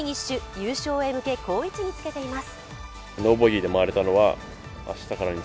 優勝へ向け好位置につけています。